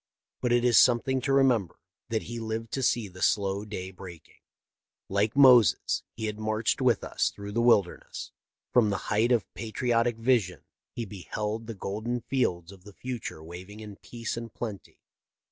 But it is something to remember that he lived to see the slow day breaking. Like Moses, he had marched with us through the wilderness. From the height of patriotic vision he beheld the golden fields of the future waving in peace and plenty.